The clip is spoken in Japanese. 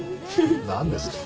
何ですか？